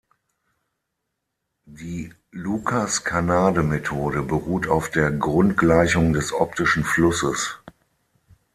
Die Lucas-Kanade-Methode beruht auf der Grundgleichung des optischen Flusses.